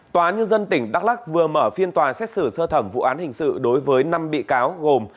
tòa nhân dân tỉnh đắk lắc vừa mở phiên tòa xét xử sơ thẩm vụ án hình sự đối với năm bị cáo gồm